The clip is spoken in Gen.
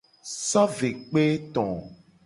So ve kpe to.